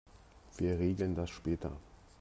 Wir regeln das später.